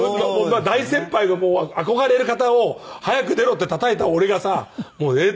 大先輩が憧れる方を早く出ろってたたいた俺がさえっ